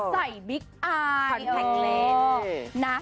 ใส่บิ๊กอายขันแท็กเลนส์